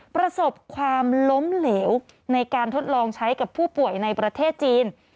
ประสบความล้มเหลวในการทดลองใช้กับผู้ป่วยในประเทศจีน